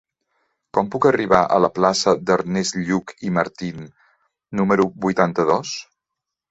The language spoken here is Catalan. Com puc arribar a la plaça d'Ernest Lluch i Martín número vuitanta-dos?